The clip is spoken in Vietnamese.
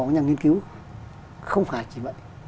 của nhà nghiên cứu không phải chỉ vậy